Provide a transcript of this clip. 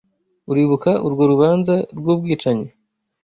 Uribuka urwo rubanza rwubwicanyi?